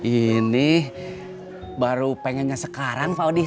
ini baru pengennya sekarang pak odi